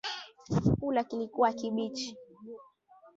Chakula kilikuwa kibichi